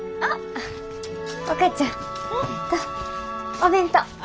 お弁当。